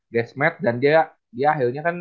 gas matt dan dia akhirnya kan